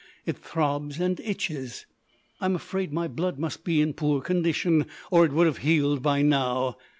It throbs and itches. I'm afraid my blood must be in poor condition, or it would have healed by now.